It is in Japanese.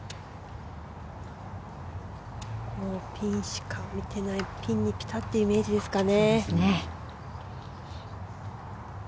もうピンしか見てないピンにピタッていうイメージですかね。